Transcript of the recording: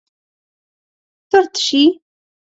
طرد شي.